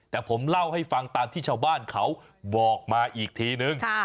แต่ผมเล่าให้ฟังตามที่ชาวบ้านเขาบอกมาอีกทีนึง